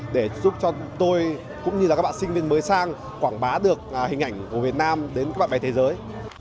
để giúp cho tôi cũng như là các bạn sinh viên mới sang quảng bá được hình ảnh của việt nam đến bạn bè thế giới